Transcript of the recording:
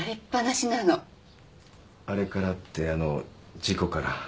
あれからってあの事故から。